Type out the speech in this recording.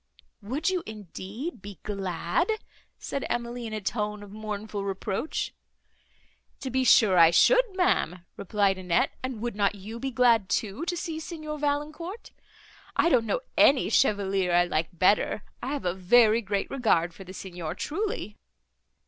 "Would you, indeed, be glad?" said Emily, in a tone of mournful reproach. "To be sure I should, ma'am," replied Annette, "and would not you be glad too, to see Signor Valancourt? I don't know any chevalier I like better, I have a very great regard for the Signor, truly."